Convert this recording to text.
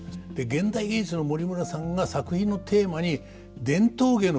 現代芸術の森村さんが作品のテーマに伝統芸の文楽を選んだ。